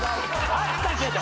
あったけど。